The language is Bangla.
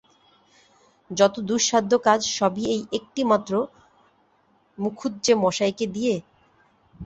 যত দুঃসাধ্য কাজ সবই এই একটিমাত্র মুখুজ্যেমশায়কে দিয়ে?